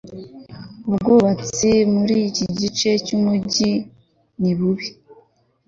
ubwubatsi muri iki gice cyumujyi ni bubi